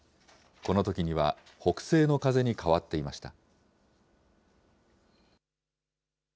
このときには、北西の風に変わっていました。